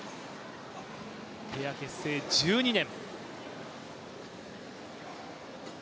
ペア結成１２年。